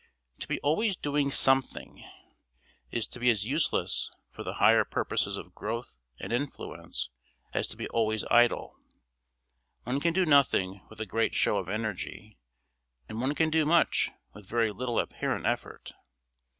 To be always doing something is to be as useless for the higher purposes of growth and influence as to be always idle; one can do nothing with a great show of energy, and one can do much with very little apparent effort.